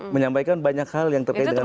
menyampaikan banyak hal yang terkait dengan